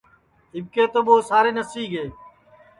اِٻکے تو ٻو سارے نسیگے ہے